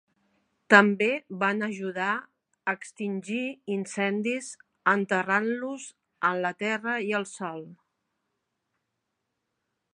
També van ajudar a extingir incendis enterrant-los en la terra i el sòl.